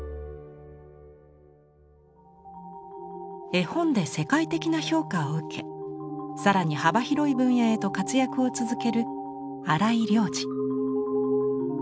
絵本で世界的な評価を受け更に幅広い分野へと活躍を続ける荒井良二。